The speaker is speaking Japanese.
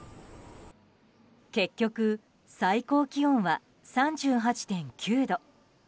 結局、最高気温は３８．９度。